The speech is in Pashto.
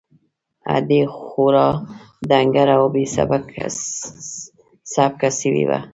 ادې خورا ډنگره او بې سېکه سوې وه.